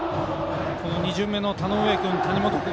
２巡目の田上君、谷本君